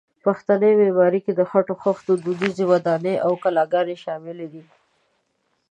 پښتني معمارۍ کې د خټو د خښتو دودیزې ودانۍ او کلاګانې شاملې دي.